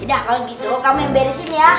udah kalau gitu kamu yang beresin ya